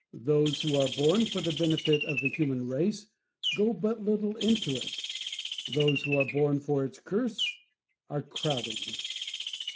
Those who are born for the benefit of the human race go but little into it : those who are born for its curse are crowded.